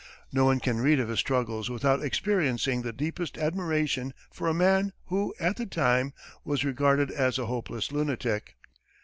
No one can read of his struggles without experiencing the deepest admiration for a man who, at the time, was regarded as a hopeless lunatic.